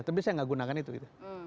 tapi saya nggak gunakan itu gitu